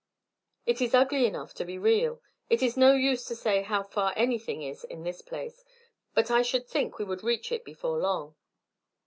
"It is ugly enough to be real. It is no use to say how far anything is in this place, but I should think we would reach it before long."